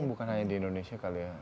bukan hanya di indonesia kali ya